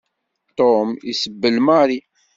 Tom isebbel Mary.